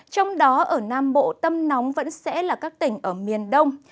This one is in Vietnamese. trong đó ở nam bộ tâm nóng vẫn sẽ là các tỉnh ở miền đông